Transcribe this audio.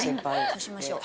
そうしましょう。